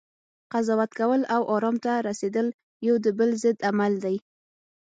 قضاوت کول، او ارام ته رسیدل یو د بل ضد عمل دی